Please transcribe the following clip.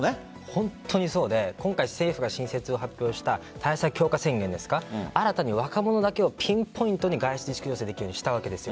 本当にそうで政府が新設を発表した対策強化宣言ですか新たに若者だけをピンポイントに外出自粛要請できるようにしたわけです。